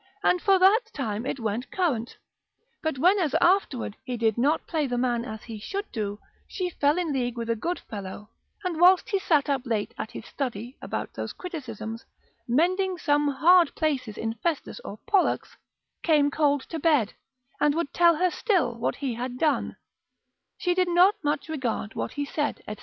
and for that time it went current: but when as afterward he did not play the man as he should do, she fell in league with a good fellow, and whilst he sat up late at his study about those criticisms, mending some hard places in Festus or Pollux, came cold to bed, and would tell her still what he had done, she did not much regard what he said, &c.